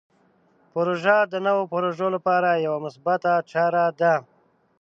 پروژه د نوو پروژو لپاره یوه مثبته چاره ده.